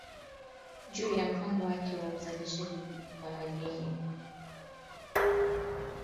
juu ya mpango wake wa uzalishaji wa madini ya urenium